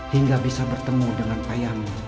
hingga bisa bertemu dengan ayahmu